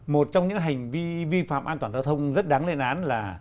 một trong những hành vi vi phạm an toàn giao thông rất đáng lên án là